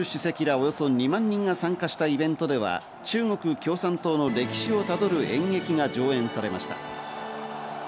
およそ２万人が参加したイベントでは、中国共産党の歴史をたどる演劇が上演されました。